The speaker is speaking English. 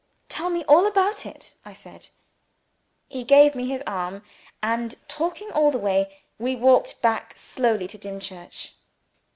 "Tell me all about it," I said. He gave me his arm; and, talking all the way, we walked back slowly to Dimchurch.